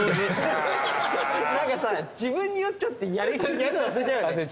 何か自分に酔っちゃってやるの忘れちゃうよね。